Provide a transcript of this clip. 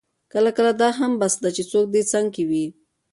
کله کله دا هم بس ده چې څوک دې څنګ کې وي.